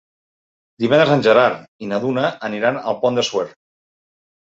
Divendres en Gerard i na Duna aniran al Pont de Suert.